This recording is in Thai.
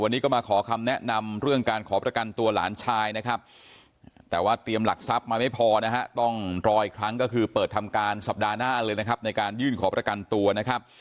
แต่ว่าเตรียมหลักทรัพย์มาไม่พอนะฮะต้องรออีกครั้งก็คือเปิดทำการสัปดาห์หน้าเลยนะครับในการยื่นขอประกันตัวนะครับ